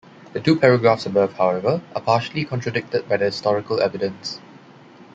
The two paragraphs above, however, are partially contradicted by the historical evidence.